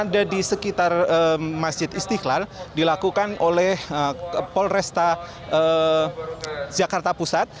ada di sekitar masjid istiqlal dilakukan oleh polresta jakarta pusat